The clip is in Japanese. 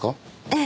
ええ。